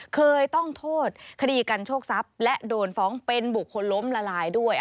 เคยต้องโทษคดีกันโชคทรัพย์และโดนฟ้องเป็นบุคคลล้มละลายด้วย